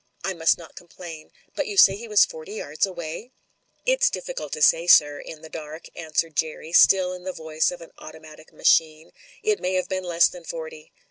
I must not complain. But you say he was forty yards away ?" "It's difficult to say, sir, in the dark," answered Jerry, still in the voice of an automatic machine. "It may have been less than forty."